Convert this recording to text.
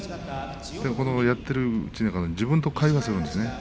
やっているときには自分と会話をするんですね。